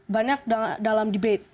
banyak dalam debate